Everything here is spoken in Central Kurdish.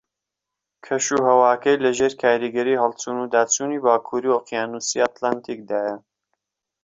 کەش وھەواکەی لە ژێر کاریگەری ھەڵچوون وداچوونی باکوری ئۆقیانوسی ئەتڵەنتیکدایە